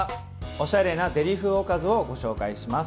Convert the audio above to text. おしゃれなデリ風おかずをご紹介します。